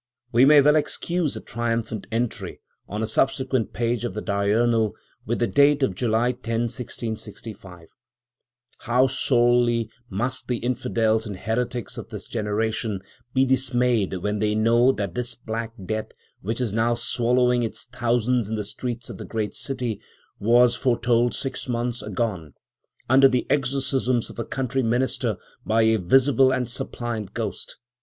We may well excuse a triumphant entry, on a subsequent page of the "diurnal," with the date of July 10, 1665: "How sorely must the infidels and heretics of this generation be dismayed when they know that this Black Death, which is now swallowing its thousands in the streets of the great city, was foretold six months agone, under the exorcisms of a country minister, by a visible and suppliant ghost!